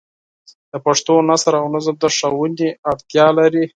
د پښتو نثر او نظم د ښوونې اړتیا لري.